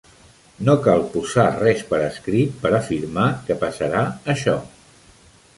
No cal posar res per escrit per afirmar que passarà això.